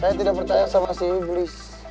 saya tidak percaya sama si bulis